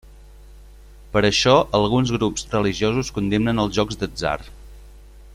Per això alguns grups religiosos condemnen els jocs d'atzar.